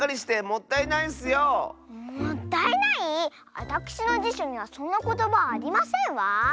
あたくしのじしょにはそんなことばはありませんわ！